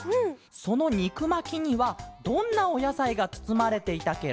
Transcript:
そのにくまきにはどんなおやさいがつつまれていたケロ？